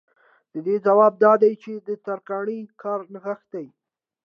د دې ځواب دا دی چې د ترکاڼ کار نغښتی